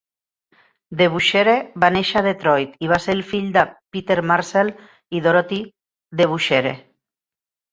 DeBusschere va néixer a Detroit i va ser el fill de Peter Marcell i Dorothy Debusschere.